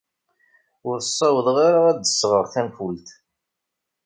Ur ssawḍeɣ ara ad d-sɣeɣ tanfult.